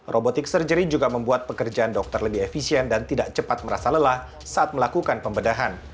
robotik surgery juga membuat pekerjaan dokter lebih efisien dan tidak cepat merasa lelah saat melakukan pembedahan